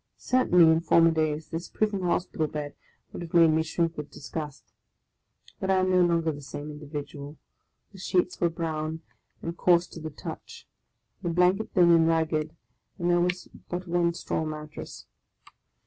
Certainly, in former days, this prison hospital bed would have made me shrink with disgust; but I am no longer the same individual. The sheets were brown, and coarse to the touch, the blanket thin and ragged, and there w.'is but one straw mattress.